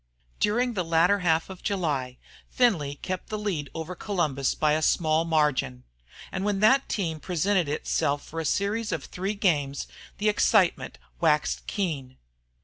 During the latter half of July, Findlay kept the lead over Columbus by a small margin. And when that team presented itself for a series of three games the excitement waxed keen.